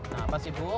nah apa sih bu